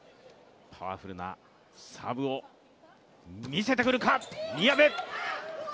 パワフルなサーブを見せてくるか、宮部。